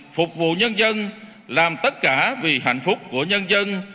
phục vụ nhân dân làm tất cả vì hạnh phúc của nhân dân